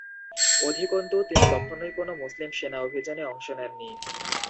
অধিকন্তু, তিনি কখনোই কোন মুসলিম সেনা অভিযানে অংশ নেন নি।